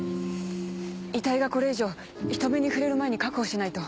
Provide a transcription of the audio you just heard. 遺体がこれ以上人目に触れる前に確保しないと。